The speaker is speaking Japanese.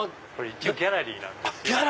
一応ギャラリーなんです。